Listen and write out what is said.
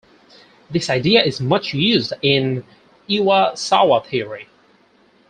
This idea is much used in Iwasawa theory.